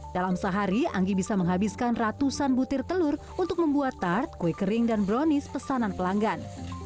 dalam sehari anggi bisa menghabiskan ratusan butir telur untuk membuat tart kue kering dan brownies pesanan pelanggan